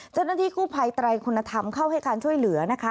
เจ้าหน้าที่กู้ภัยไตรคุณธรรมเข้าให้การช่วยเหลือนะคะ